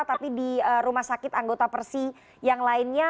tapi di rumah sakit anggota persi yang lainnya